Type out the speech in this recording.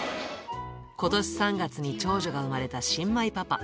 ことし３月に長女が産まれた新米パパ。